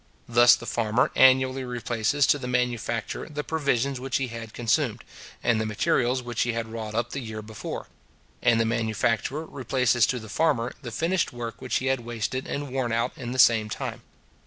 Thus the farmer annually replaces to the manufacturer the provisions which he had consumed, and the materials which he had wrought up the year before; and the manufacturer replaces to the farmer the finished work which he had wasted and worn out in the same time.